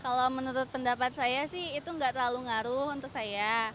kalau menurut pendapat saya sih itu nggak terlalu ngaruh untuk saya